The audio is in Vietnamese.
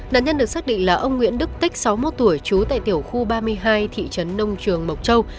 nạn nhân được xác định là ông nguyễn đức tích sáu mươi một tuổi trú tại tiểu khu ba mươi hai thị trấn nông trường mộc châu